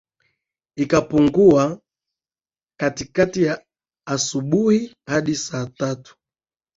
likipungua katikati ya asubuhi hadi saa tatu